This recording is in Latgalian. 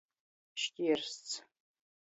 Škiersts.